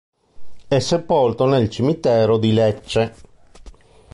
È sepolto nel cimitero di Lecce.